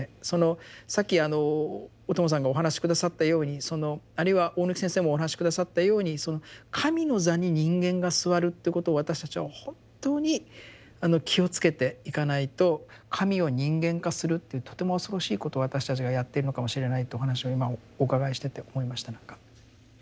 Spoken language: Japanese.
そのさっき小友さんがお話し下さったようにあるいは大貫先生もお話し下さったようにその神の座に人間が座るっていうことを私たちは本当に気をつけていかないと神を人間化するっていうとても恐ろしいことを私たちがやっているのかもしれないとお話を今お伺いしてて思いました何か。